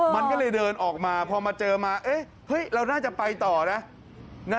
มันก็เลยเดินออกมาพอมาเจอมาเราน่าจะไปต่อนะ